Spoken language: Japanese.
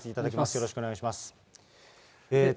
よろしくお願いします。